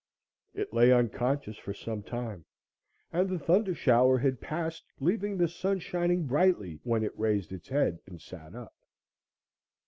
It lay unconscious for some time, and the thunder shower had passed, leaving the sun shining brightly, when it raised its head and sat up.